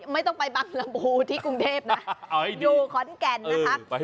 ไม่ต้องไปบางลำพูที่กรุงเทพนะอยู่ขอนแก่นนะคะ